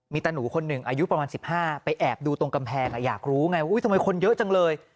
ตาหนูคนหนึ่งอายุประมาณ๑๕ไปแอบดูตรงกำแพงอยากรู้ไงว่าทำไมคนเยอะจังเลย